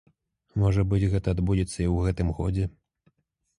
Можа быць, гэта адбудзецца і ў гэтым годзе.